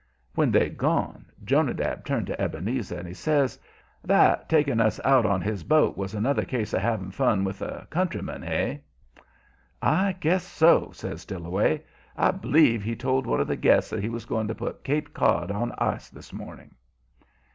When they'd gone, Jonadab turned to Ebenezer and he says: "That taking us out on this boat was another case of having fun with the countrymen. Hey?" "I guess so," says Dillaway. "I b'lieve he told one of the guests that he was going to put Cape Cod on ice this morning."